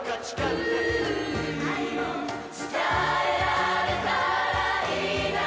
「愛を伝えられたらいいな」